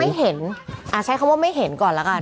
ไม่เห็นใช้คำว่าไม่เห็นก่อนแล้วกัน